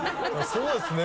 そうですね。